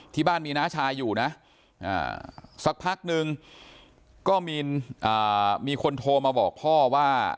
ที่บ้านมีน้าชายอยู่นะสักพักนึงก็มีคนโทรมาบอกพ่อว่า